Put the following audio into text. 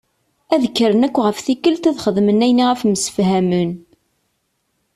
Ad kren akk ɣef tikelt ad xedmen ayen i ɣef msefhamen.